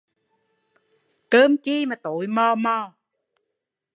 Cơm chi mà tối mò mò